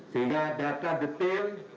sehingga data detail